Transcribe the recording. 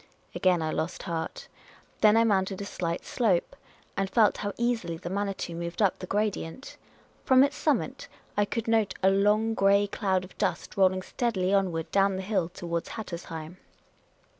Again I lost heart. Then I mounted a slight slope, and felt how easily the Manitou moved up the gradient. From its summit I could note a long grey cloud of dust rolling steadily onward down the hill towards Hattersheim.